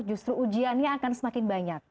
justru ujiannya akan semakin banyak